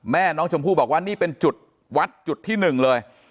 แม่น้องชมพู่บอกว่านี่เป็นจุดวัดจุดที่หนึ่งเลย